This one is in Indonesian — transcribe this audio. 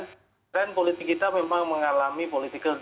trend politik kita memang mengalami political